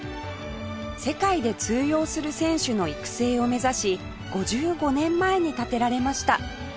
世界で通用する選手の育成を目指し５５年前に建てられました